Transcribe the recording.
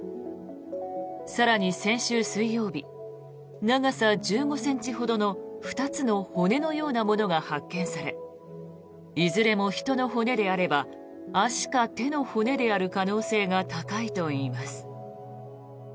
更に、先週水曜日長さ１５ｃｍほどの２つの骨のようなものが発見されいずれも人の骨であれば足か手の骨である可能性が高いといいます。